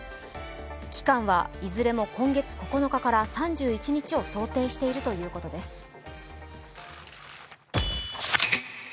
期間はいずれも今月９日から３１日を想定しているということです。